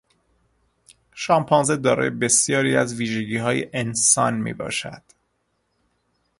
شامپانزه دارای بسیاری از ویژگیهای انسان میباشد.